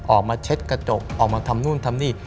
ออกมาเช็ดกระจกออกมาทำนู่นทำนี่